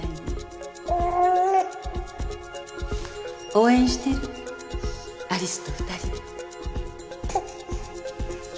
応援してるアリスと２人で。